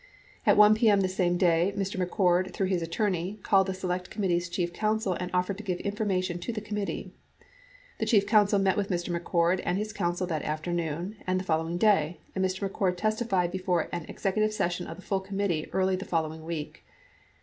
At 1 p.m. the same day, Mr. McCord, through his attorney, called the Select Committee's chief counsel and offered to give information to the committee. The chief counsel met with Mr. McCord and his counsel that afternoon and the following day, and Mr. McCord testi fied before an executive session of the full committee early the follow ing week.